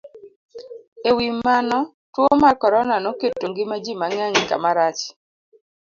E wi mano, tuwo mar corona noketo ngima ji mang'eny kama rach,